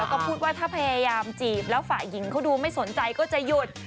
แล้วก็พูดว่าถ้าพยายามจีบแล้วฝ่ายหญิงเขาดูไม่สนใจก็จะหยุด